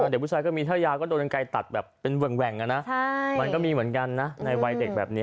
เด็กผู้ชายก็มีถ้ายาก็โดนกันไกลตัดแบบเป็นแหว่งนะมันก็มีเหมือนกันนะในวัยเด็กแบบนี้